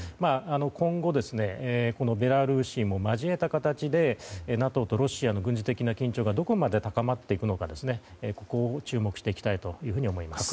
今後、ベラルーシも交えた形でＮＡＴＯとロシアの軍事的な緊張がどこまで高まっていくのかここを注目していきたいと思います。